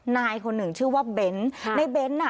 นายคนหนึ่งชื่อว่าเบ้น